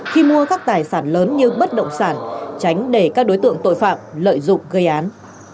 khi mua các tài sản lớn như bất động sản tránh để các đối tượng tội phạm lợi dụng gây án